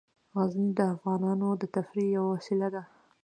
غزني د افغانانو د تفریح یوه وسیله ده.